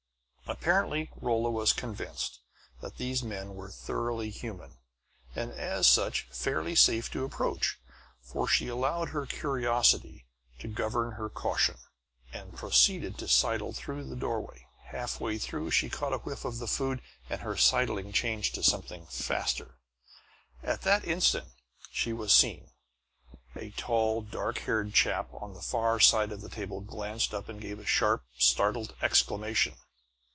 Apparently Rolla was convinced that these men were thoroughly human, and as such fairly safe to approach. For she allowed her curiosity to govern her caution, and proceeded to sidle through the doorway. Half way through she caught a whiff of the food, and her sidling changed to something faster. At that instant she was seen. A tall, dark haired chap on the far side of the table glanced up and gave a sharp, startled exclamation.